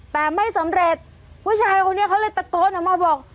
แต่ไม่สำเร็จผู้ชายคนนี้เขาเลยตะโกนออกมาบอก